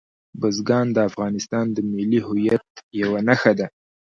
بزګان د افغانستان د ملي هویت یوه نښه ده.